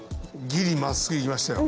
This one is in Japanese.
ギリまっすぐいきましたよ。